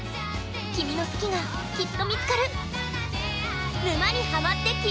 君の好きが、きっと見つかる。